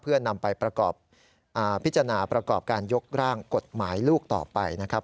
เพื่อนำไปประกอบพิจารณาประกอบการยกร่างกฎหมายลูกต่อไปนะครับ